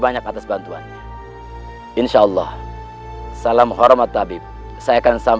baik terima kasih